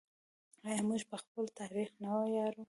آیا موږ په خپل تاریخ نه ویاړو؟